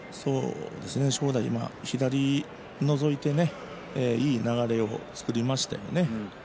正代は左がのぞいていい流れを作りましたよね。